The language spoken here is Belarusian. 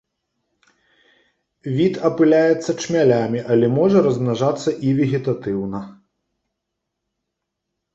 Від апыляецца чмялямі, але можа размнажацца і вегетатыўна.